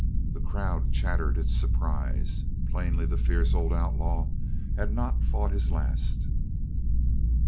The crowd chattered its surprise. Plainly the fierce old outlaw had not fought his last.